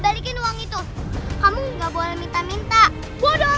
balikin uang itu kamu gak boleh minta minta bodoh